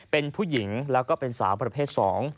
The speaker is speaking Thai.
เป็นผู้หญิงแล้วก็เป็นสาวประเภท๒